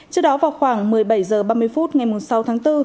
trước đó vào khoảng một mươi bảy h ba mươi phút ngày sáu tháng bốn